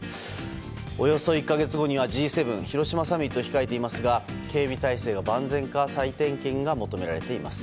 およそ１か月後にはＧ７広島サミットを控えていますが警備体制は万全か再点検が求められています。